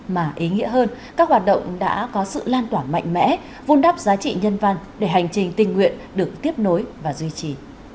mà ý nghĩa hơn các hoạt động đã có sự lan tỏa mạnh mẽ vun đắp giá trị nhân văn để hành trình tình nguyện được tiếp nối và duy trì